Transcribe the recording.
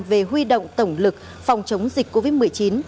về huy động tổng lực phòng chống dịch covid một mươi chín